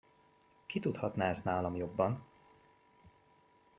Ki tudhatná ezt nálam jobban?